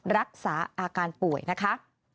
รักษาอาการป่วยนะคะ